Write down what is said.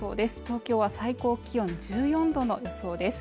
東京は最高気温１４度の予想です